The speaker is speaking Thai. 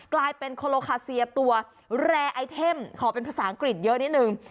กลายเป็นโคโลคาเซียตัวแรร์ไอเทมขอเป็นภาษาอังกฤษเยอะนิดนึง